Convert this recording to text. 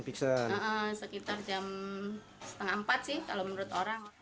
sekitar jam setengah empat sih kalau menurut orang